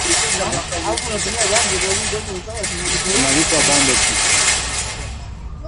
Jean Bedel Bokassa alikuwa dikteta wa Jamuhuri ya